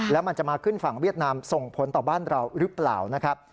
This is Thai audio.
แล้วมันจะมาขึ้นฝั่งเวียดนามส่งผลต่อบ้านเราหรือเปล่านะครับ